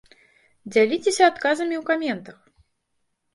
Дзяліцеся адказамі ў каментах!